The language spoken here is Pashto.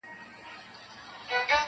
نه د خوشحال- نه د اکبر له توري وشرمېدل-